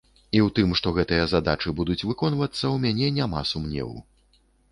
І ў тым, што гэтыя задачы будуць выконвацца, у мяне няма сумневу.